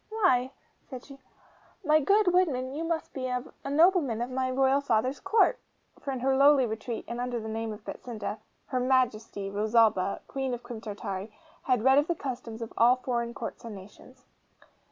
'Why,' said she, 'my good woodman, you must be a nobleman of my royal father's Court!' For in her lowly retreat, and under the name of Betsinda, HER MAJESTY, ROSALBA, Queen of Crim Tartary, had read of the customs of all foreign courts and nations.